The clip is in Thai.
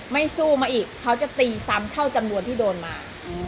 ไม่สู้มาอีกเขาจะตีซ้ำเท่าจำนวนที่โดนมา